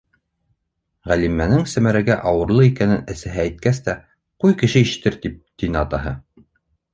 Ғәлимәнең Сәмәрәгә ауырлы икәнен әсәһе әйткәс тә: «Ҡуй, кеше ишетер!» тине атаһы.